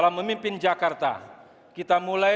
kepemimpinan sejak smp dulu